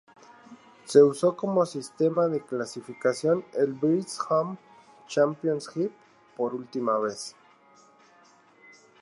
Se usó como sistema de clasificación el British Home Championship por última vez.